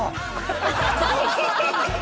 ハハハハ！